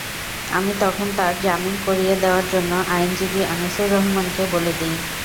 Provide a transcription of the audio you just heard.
আমি তখন তার জামিন করিয়ে দেওয়ার জন্য আইনজীবী আনিসুর রহমানকে বলে দিই।